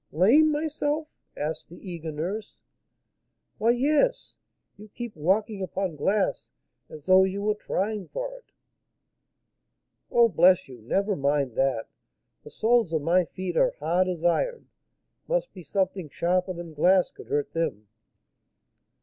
"Lame myself?" asked the eager nurse. "Why, yes; you keep walking upon glass as though you were trying for it." "Oh, bless you! never mind that; the soles of my feet are hard as iron; must be something sharper than glass could hurt them."